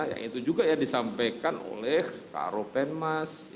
yang itu juga ya disampaikan oleh karo pemas